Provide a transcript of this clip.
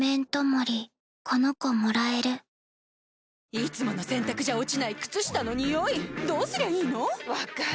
いつもの洗たくじゃ落ちない靴下のニオイどうすりゃいいの⁉分かる。